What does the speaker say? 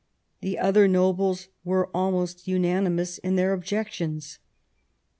The other nobles were almost unanimous in their objec tions.